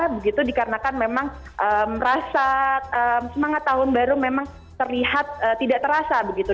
begitu dikarenakan memang rasa semangat tahun baru memang terlihat tidak terasa begitu